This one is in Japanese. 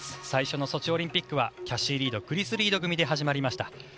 最初のソチオリンピックはキャシー・リードクリス・リード組で始まりました。